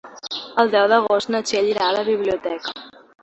El deu d'agost na Txell irà a la biblioteca.